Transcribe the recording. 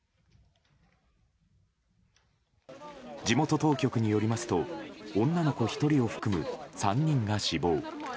地元当局によりますと女の子１人を含む３人が死亡。